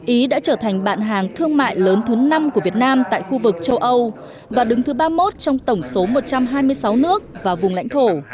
ý đã trở thành bạn hàng thương mại lớn thứ năm của việt nam tại khu vực châu âu và đứng thứ ba mươi một trong tổng số một trăm hai mươi sáu nước và vùng lãnh thổ